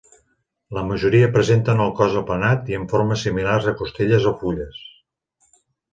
La majoria presenten el cos aplanat i amb formes similars a costelles o fulles.